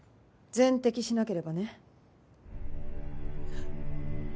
全摘しなければね。